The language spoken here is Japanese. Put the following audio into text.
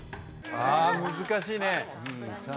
あ難しいね。